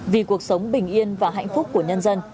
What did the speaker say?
vì cuộc sống bình yên và hạnh phúc của nhân dân